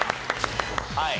はい。